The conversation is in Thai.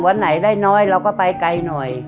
วันไหนได้น้อยเราก็ไปไกลหน่อย